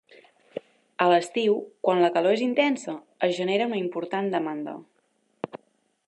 A l'estiu quan la calor és intensa es genera una important demanda.